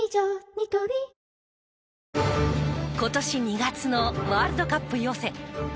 ニトリ今年２月のワールドカップ予選。